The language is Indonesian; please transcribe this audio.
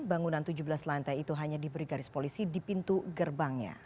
bangunan tujuh belas lantai itu hanya diberi garis polisi di pintu gerbangnya